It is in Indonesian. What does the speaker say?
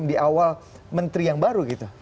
di awal menteri yang baru gitu